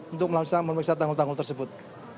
untuk melaksanakan memeriksa tanggul tanggul tersebut